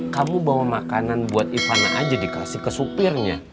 kamu bawa makanan buat ivana aja dikasih ke supirnya